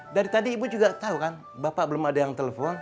dari tadi ibu juga tahu kan bapak belum ada yang telepon